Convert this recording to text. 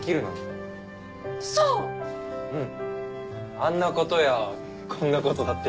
あんなことやこんなことだって。